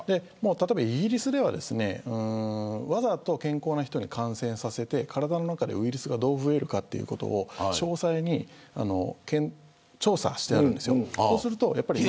例えばイギリスではですねわざと健康な人に感染させて体の中でウイルスがどう増えるかということを詳細に調査してあるんですよ。